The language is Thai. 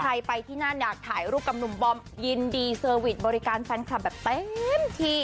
ใครไปที่นั่นอยากถ่ายรูปกับหนุ่มบอมยินดีเซอร์วิสบริการแฟนคลับแบบเต็มที